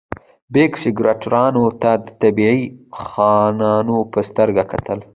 بیګ سکواټورانو ته د طبیعي خانانو په سترګه کتل.